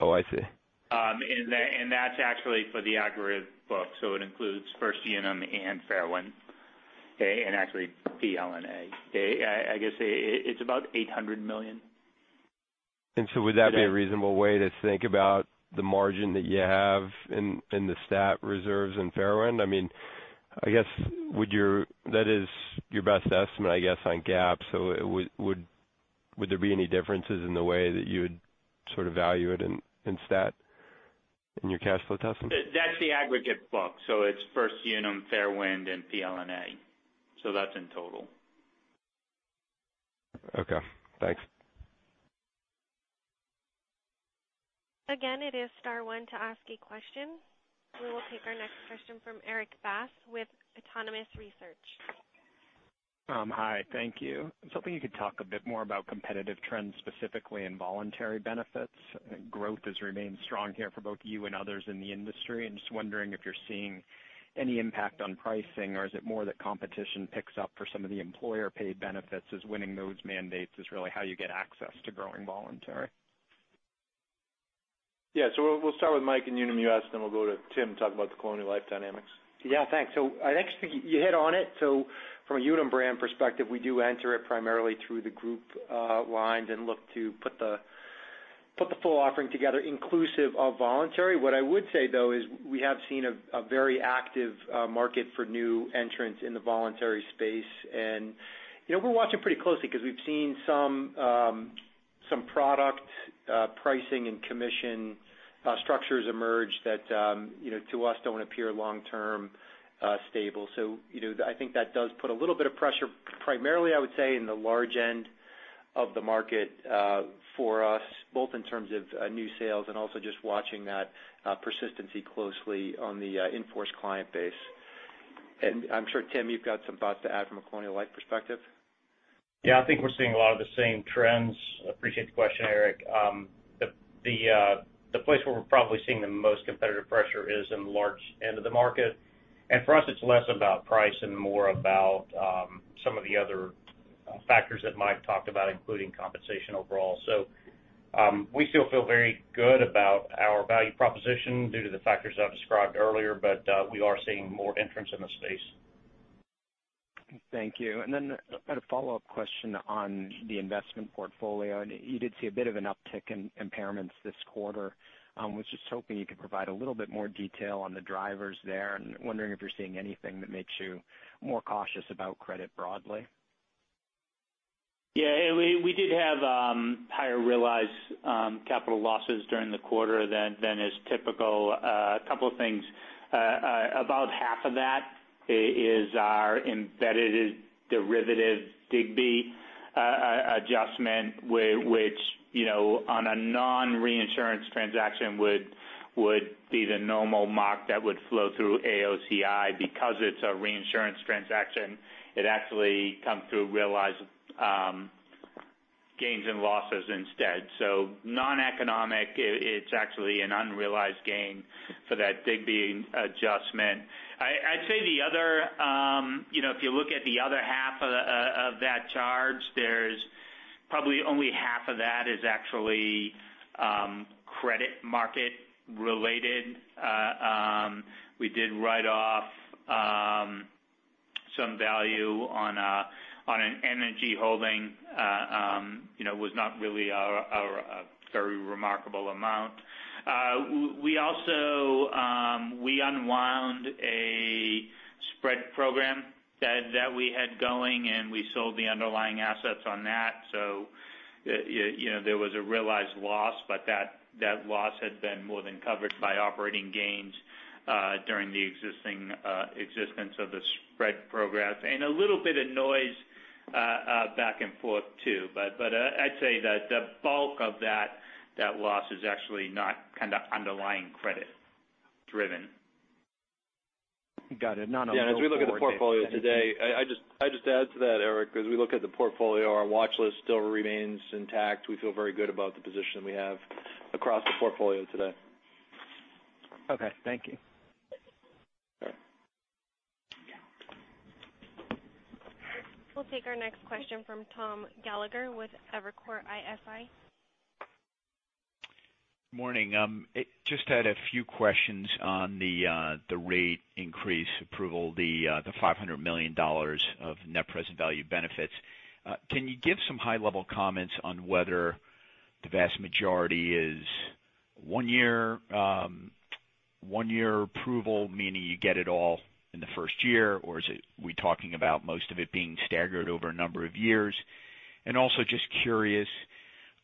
Oh, I see. That's actually for the aggregate book. It includes First Unum and Fairwind, and actually PLNA. I guess it's about $800 million. Would that be a reasonable way to think about the margin that you have in the stat reserves in Fairwind? I guess, that is your best estimate, I guess, on GAAP, so would there be any differences in the way that you would sort of value it in stat in your cash flow testing? That's the aggregate book. It's First Unum, Fairwind, and PLNA. That's in total. Okay, thanks. Again, it is star one to ask a question. We will take our next question from Erik Bass with Autonomous Research. Hi. Thank you. I was hoping you could talk a bit more about competitive trends, specifically in voluntary benefits. Growth has remained strong here for both you and others in the industry. I'm just wondering if you're seeing any impact on pricing or is it more that competition picks up for some of the employer-paid benefits as winning those mandates is really how you get access to growing voluntary? Yeah. We'll start with Mike in Unum US, then we'll go to Tim to talk about the Colonial Life dynamics. Yeah, thanks. I think you hit on it. From a Unum brand perspective, we do enter it primarily through the group lines and look to put the full offering together inclusive of voluntary. What I would say, though, is we have seen a very active market for new entrants in the voluntary space. We're watching pretty closely because we've seen some product pricing and commission structures emerge that to us don't appear long-term stable. I think that does put a little bit of pressure, primarily, I would say, in the large end of the market for us, both in terms of new sales and also just watching that persistency closely on the in-force client base. I'm sure, Tim, you've got some thoughts to add from a Colonial Life perspective. Yeah, I think we're seeing a lot of the same trends. I appreciate the question, Erik. The place where we're probably seeing the most competitive pressure is in the large end of the market. For us, it's less about price and more about some of the other factors that Mike talked about, including compensation overall. We still feel very good about our value proposition due to the factors I've described earlier, but we are seeing more entrants in the space. Thank you. Then I had a follow-up question on the investment portfolio. You did see a bit of an uptick in impairments this quarter. I was just hoping you could provide a little bit more detail on the drivers there, and wondering if you're seeing anything that makes you more cautious about credit broadly. We did have higher realized capital losses during the quarter than is typical. A couple of things. About half of that is our embedded derivative, Digby adjustment, which on a non-reinsurance transaction would be the normal mark that would flow through AOCI. Because it's a reinsurance transaction, it actually comes through realized gains and losses instead. Non-economic, it's actually an unrealized gain for that Digby adjustment. I'd say if you look at the other half of that charge, there's probably only half of that is actually credit market-related. We did write off some value on an energy holding. It was not really a very remarkable amount. We also unwound a spread program that we had going, and we sold the underlying assets on that. There was a realized loss, but that loss had been more than covered by operating gains during the existence of the spread program. A little bit of noise back and forth, too. I'd say that the bulk of that loss is actually not kind of underlying credit-driven. Got it. Not a real- As we look at the portfolio today, I'd just add to that, Erik, as we look at the portfolio, our watch list still remains intact. We feel very good about the position we have across the portfolio today. Okay. Thank you. All right. We'll take our next question from Thomas Gallagher with Evercore ISI. Morning. Just had a few questions on the rate increase approval, the $500 million of net present value benefits. Can you give some high-level comments on whether the vast majority is one-year approval, meaning you get it all in the first year? Or are we talking about most of it being staggered over a number of years? Also just curious,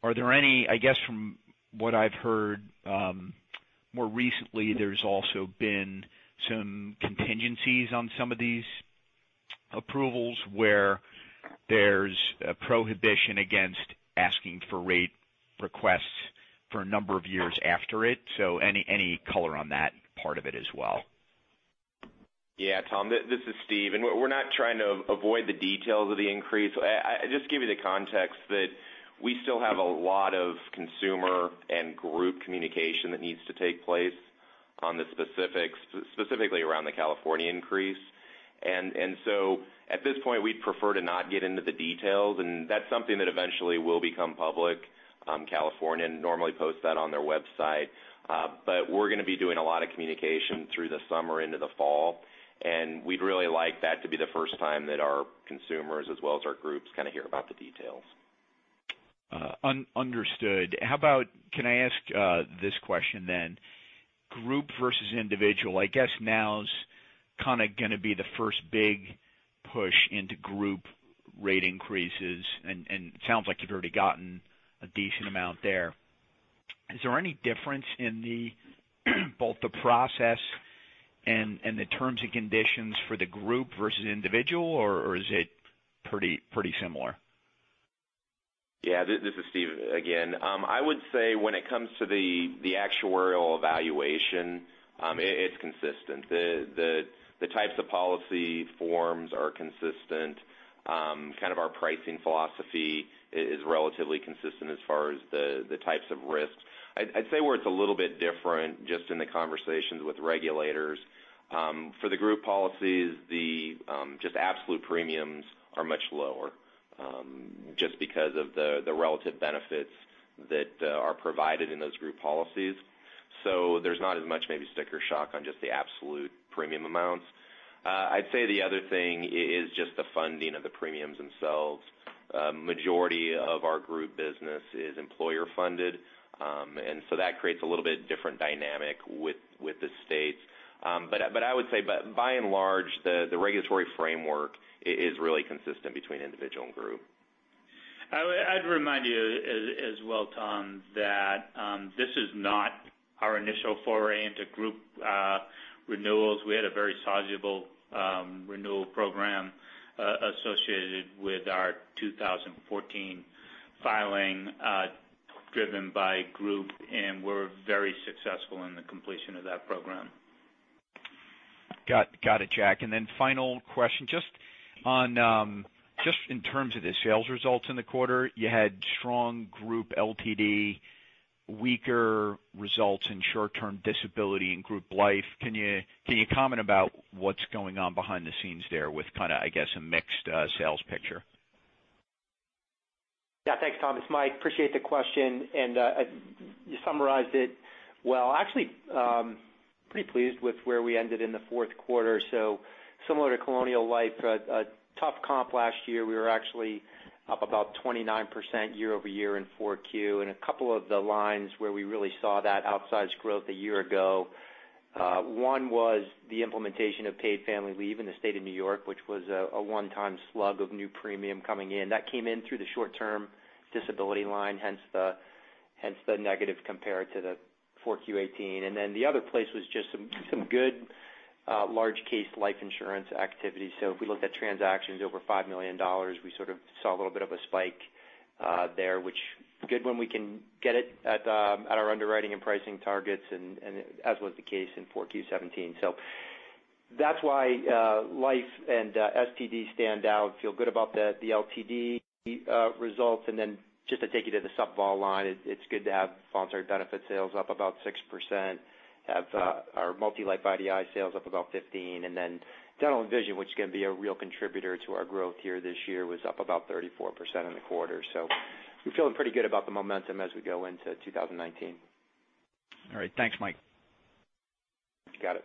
are there any, I guess from what I've heard more recently, there's also been some contingencies on some of these approvals where there's a prohibition against asking for rate requests for a number of years after it. Any color on that part of it as well? Tom, this is Steve, we're not trying to avoid the details of the increase. Just give you the context that we still have a lot of consumer and group communication that needs to take place on the specifics, specifically around the California increase. At this point, we'd prefer to not get into the details, and that's something that eventually will become public. California normally posts that on their website. We're going to be doing a lot of communication through the summer into the fall, and we'd really like that to be the first time that our consumers as well as our groups kind of hear about the details. Understood. How about, can I ask this question then? Group versus individual, I guess now's kind of going to be the first big push into group rate increases, and it sounds like you've already gotten a decent amount there. Is there any difference in both the process and the terms and conditions for the group versus individual, or is it pretty similar? Yeah, this is Steve again. I would say when it comes to the actuarial evaluation, it's consistent. The types of policy forms are consistent. Kind of our pricing philosophy is relatively consistent as far as the types of risks. I'd say where it's a little bit different, just in the conversations with regulators. For the group policies, just absolute premiums are much lower, just because of the relative benefits that are provided in those group policies. There's not as much maybe sticker shock on just the absolute premium amounts. I'd say the other thing is just the funding of the premiums themselves. Majority of our group business is employer-funded. That creates a little bit different dynamic with the states. I would say by and large, the regulatory framework is really consistent between individual and group. I'd remind you as well, Tom, that this is not our initial foray into group renewals. We had a very sizable renewal program associated with our 2014 filing, driven by group, and we're very successful in the completion of that program. Got it, Jack. Final question, just in terms of the sales results in the quarter, you had strong group LTD, weaker results in short-term disability and group life. Can you comment about what's going on behind the scenes there with kind of, I guess, a mixed sales picture? Yeah, thanks, Tom. It's Mike. Appreciate the question. You summarized it well. Actually, pretty pleased with where we ended in the fourth quarter. Similar to Colonial Life, a tough comp last year. We were actually up about 29% year-over-year in Q4. A couple of the lines where we really saw that outsized growth a year ago, one was the implementation of Paid Family Leave in the state of New York, which was a one-time slug of new premium coming in. That came in through the short-term disability line, hence the negative compared to the Q4 2018. The other place was just some good large case life insurance activity. If we looked at transactions over $5 million, we sort of saw a little bit of a spike there, which good when we can get it at our underwriting and pricing targets and as was the case in Q4 2017. That's why life and STD stand out. Feel good about the LTD results. Just to take you to the sub-bottom line, it's good to have voluntary benefit sales up about 6%. Have our multi-life IDI sales up about 15%. Dental and vision, which is going to be a real contributor to our growth here this year, was up about 34% in the quarter. We're feeling pretty good about the momentum as we go into 2019. All right. Thanks, Mike. Got it.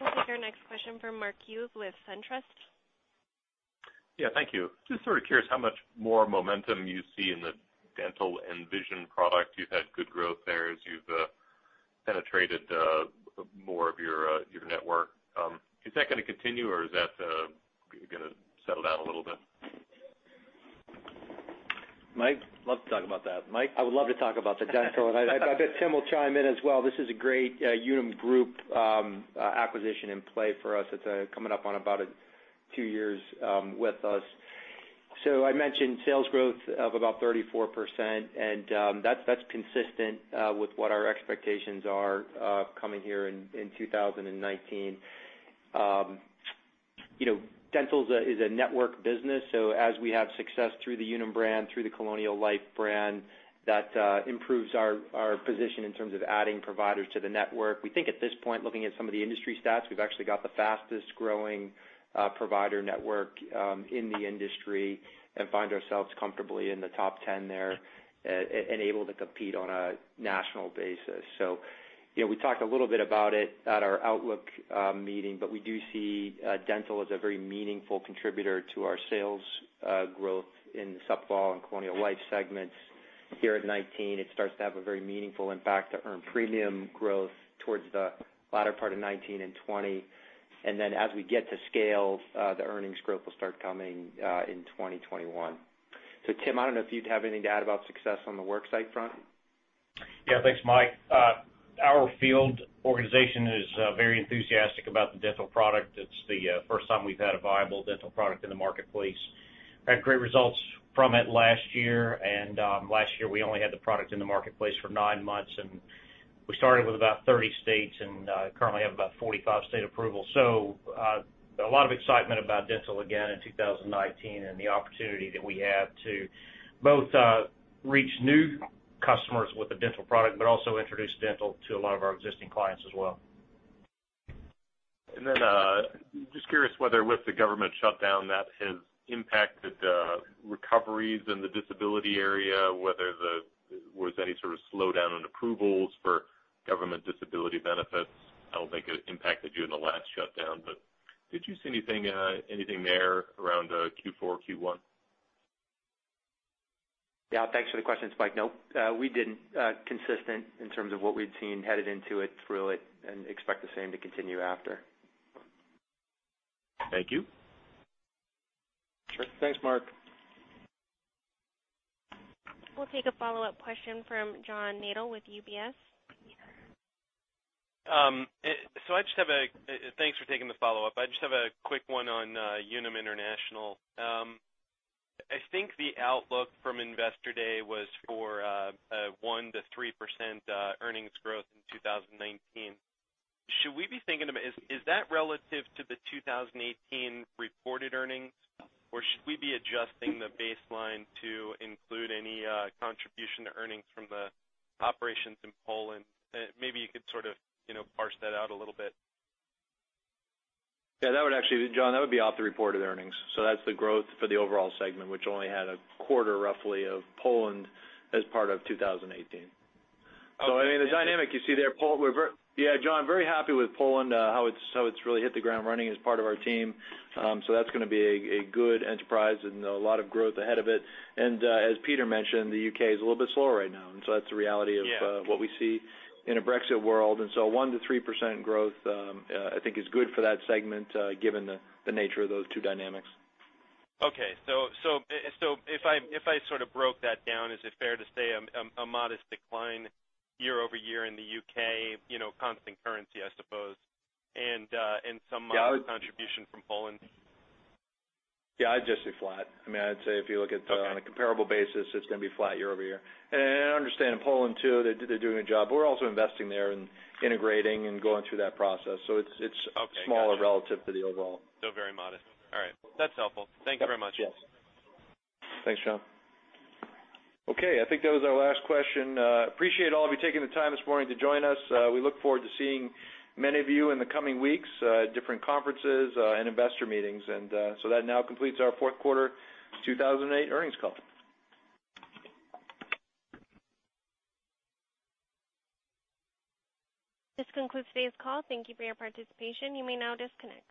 We'll take our next question from Mark Hughes with SunTrust. Yeah, thank you. Just sort of curious how much more momentum you see in the dental and vision product. You've had good growth there as you've penetrated more of your network. Is that going to continue, or is that going to settle down a little bit? Mike? Love to talk about that. Mike? I would love to talk about the dental, and I bet Tim will chime in as well. This is a great Unum Group acquisition in play for us. It is coming up on about two years with us. I mentioned sales growth of about 34%, and that is consistent with what our expectations are coming here in 2019. Dental is a network business, as we have success through the Unum brand, through the Colonial Life brand, that improves our position in terms of adding providers to the network. We think at this point, looking at some of the industry stats, we have actually got the fastest-growing provider network in the industry and find ourselves comfortably in the top 10 there and able to compete on a national basis. We talked a little bit about it at our outlook meeting, but we do see dental as a very meaningful contributor to our sales growth in the supplemental and Colonial Life segments here in 2019. It starts to have a very meaningful impact to earned premium growth towards the latter part of 2019 and 2020. As we get to scale, the earnings growth will start coming in 2021. Tim, I do not know if you would have anything to add about success on the worksite front? Yeah, thanks, Mike. Our field organization is very enthusiastic about the dental product. It is the first time we have had a viable dental product in the marketplace. Had great results from it last year, and last year we only had the product in the marketplace for nine months. We started with about 30 states, and currently have about 45 state approval. A lot of excitement about dental again in 2019 and the opportunity that we have to both reach new customers with the dental product, but also introduce dental to a lot of our existing clients as well. Just curious whether with the government shutdown, that has impacted recoveries in the disability area, was there any sort of slowdown in approvals for government disability benefits? I do not think it impacted you in the last shutdown, but did you see anything there around Q4, Q1? Thanks for the question, Spike. We didn't. Consistent in terms of what we'd seen headed into it, really, expect the same to continue after. Thank you. Sure. Thanks, Mark. We'll take a follow-up question from John Nadel with UBS. Thanks for taking the follow-up. I just have a quick one on Unum International. I think the outlook from Investor Day was for a 1%-3% earnings growth in 2019. Is that relative to the 2018 reported earnings, or should we be adjusting the baseline to include any contribution to earnings from the operations in Poland? Maybe you could sort of parse that out a little bit. Yeah, John, that would be off the reported earnings. That's the growth for the overall segment, which only had a quarter roughly of Poland as part of 2018. Okay. The dynamic you see there, John, very happy with Poland, how it's really hit the ground running as part of our team. That's going to be a good enterprise and a lot of growth ahead of it. As Peter mentioned, the U.K. is a little bit slower right now, that's the reality of- Yeah what we see in a Brexit world. 1%-3% growth, I think is good for that segment given the nature of those two dynamics. Okay. If I broke that down, is it fair to say a modest decline year-over-year in the U.K., constant currency, I suppose, and some modest contribution from Poland? Yeah, I'd just say flat. I'd say if you look at Okay On a comparable basis, it's going to be flat year-over-year. I understand Poland too, they're doing a job. We're also investing there and integrating and going through that process. It's Okay. Got you. smaller relative to the overall. Very modest. All right. That's helpful. Thank you very much. Yes. Thanks, John. I think that was our last question. Appreciate all of you taking the time this morning to join us. We look forward to seeing many of you in the coming weeks at different conferences and investor meetings. That now completes our fourth quarter 2018 earnings call. This concludes today's call. Thank you for your participation. You may now disconnect.